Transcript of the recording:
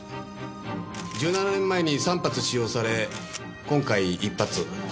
１７年前に３発使用され今回１発。